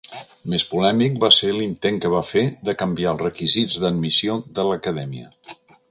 Més polèmic va ser l'intent que va fer de canviar els requisits d'admissió de l'Acadèmia.